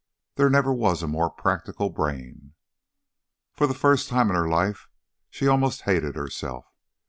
There never was a more practical brain. For the first time in her life she almost hated herself.